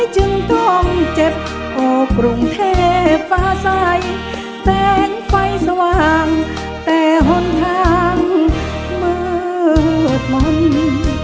จะหล่นทางเหมือนมนต์